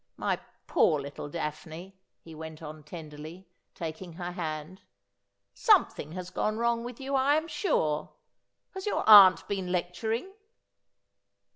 My poor little Daphne,' he went on tenderly, taking her hand, ' something has gone wrong with you, I am sure. Has your aunt been lecturing